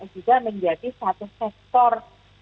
juga menjadi satu sektor